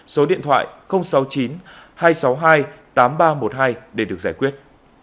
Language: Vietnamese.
số điện thoại sáu mươi chín hai trăm sáu mươi hai tám nghìn ba trăm một mươi hai để được giải quyết